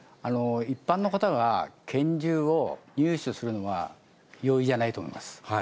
一般の方が拳銃を入手するのは容易じゃないと思います。